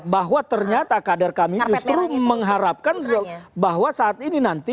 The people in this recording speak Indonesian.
bahwa ternyata kader kami justru mengharapkan bahwa saat ini nanti